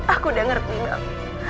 aku udah ngerti bang